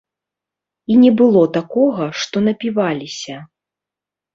І не было такога, што напіваліся.